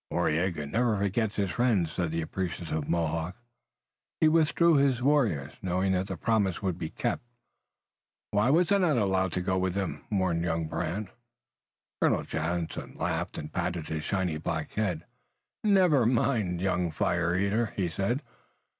"Waraiyageh never forgets his friends," said the appreciative Mohawk. He withdrew with his warriors, knowing that the promise would be kept. "Why was I not allowed to go with them?" mourned young Brant. Colonel Johnson laughed and patted his shiny black head. "Never mind, young fire eater," he said.